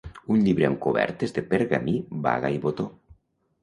Un llibre amb cobertes de pergamí, baga i botó.